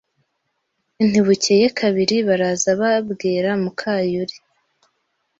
Ntibukeye kabiri baraza babwira muka Yuli